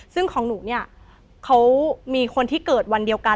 ซึ่งของหนูเนี่ยเขามีคนที่เกิดวันเดียวกัน